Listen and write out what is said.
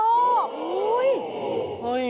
โอ้โห